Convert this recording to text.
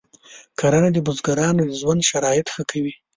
کرنه د بزګرانو د ژوند شرایط ښه کوي.